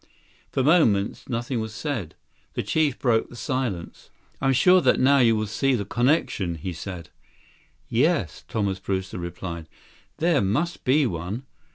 For moments, nothing was said. The chief broke the silence. "I'm sure that now you will see the connection," he said. "Yes," Thomas Brewster replied. "There must be one.